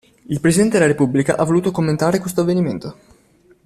Il presidente della repubblica ha voluto commentare questo avvenimento.